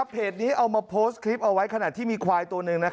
เพจนี้เอามาโพสต์คลิปเอาไว้ขณะที่มีควายตัวหนึ่ง